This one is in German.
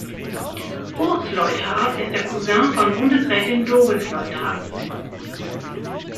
Urs Leuthard ist der Cousin von Bundesrätin Doris Leuthard.